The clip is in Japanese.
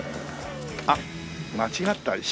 あっ間違った。